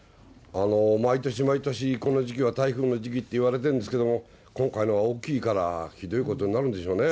毎年毎年、この時期は台風の時期っていわれてるんですけども、今回のは大きいから、ひどいことになるんでしょうね。